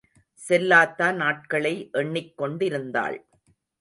செல்லாத்தா நாட்களை எண்ணிக் கொண்டிருந்தாள்.